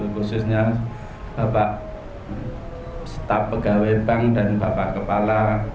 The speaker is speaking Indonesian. khususnya bapak staf pegawai bank dan bapak kepala